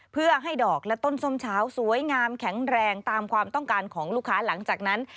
เพื่อให้ดอกและต้นส้มเช้าสวยงามแข็งแรงตามความต้องการของลูกค้าหลังจากนั้น